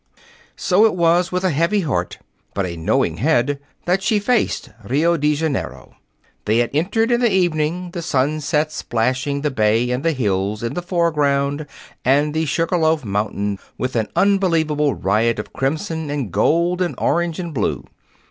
So it was with a heavy heart but a knowing head that she faced Rio de Janeiro. They had entered in the evening, the sunset splashing the bay and the hills in the foreground and the Sugar loaf Mountain with an unbelievable riot of crimson and gold and orange and blue.